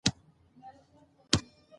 اداري مقررات د نظم د ټینګښت لپاره دي.